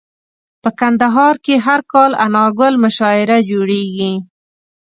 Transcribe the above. په کندهار کي هر کال انارګل مشاعره جوړیږي.